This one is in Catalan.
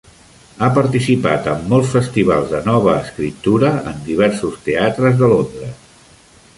Ha participat en molts festivals de nova escriptura en diversos teatres de Londres.